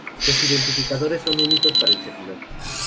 Los identificadores son únicos para el servidor.